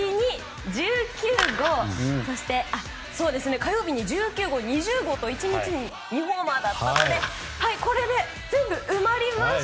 そして、火曜日は１９号と２０号と１日に２ホーマーでしたのでこれで全部埋まりました！